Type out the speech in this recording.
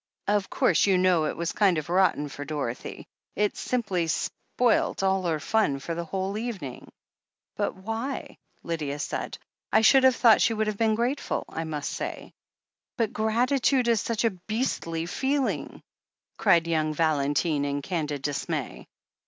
"Of course, you know, it was kind of rotten for Dorothy. It simply spoilt all her ftm for the whole evening." "But why?" Lydia said. "I should have thought she would have been grateful, I must say." *'But gratitude is such a beastly feeling T cried young Valentine in candid dismay.